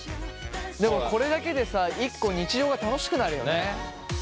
でもこれだけでさ一個日常が楽しくなるよね。